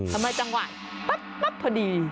ทำไมจังหวะปั๊บพอดี